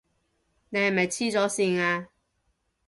你係咪痴咗線啊？